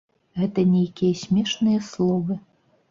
Гэта нейкія смешныя словы.